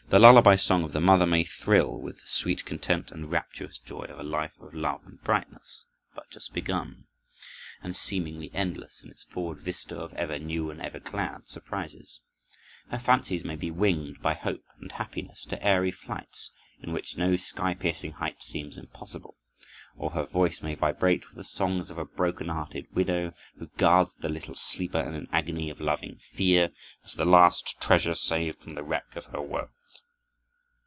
The lullaby song of the mother may thrill with the sweet content and rapturous joy of a life of love and brightness but just begun, and seemingly endless in its forward vista of ever new and ever glad surprises. Her fancies may be winged by hope and happiness to airy flights in which no sky piercing height seems impossible; or her voice may vibrate with the songs of a broken hearted widow, who guards the little sleeper in an agony of loving fear, as the last treasure saved from the wreck of her world.